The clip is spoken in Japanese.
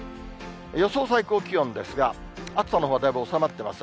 予想最高気温ですが、暑さのほうはだいぶ収まってます。